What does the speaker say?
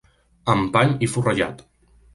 Amb pany i forrellat.